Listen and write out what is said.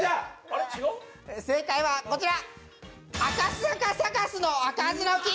正解はこちら。